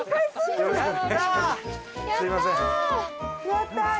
やったー！